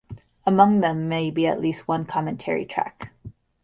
Among them may be at least one commentary track.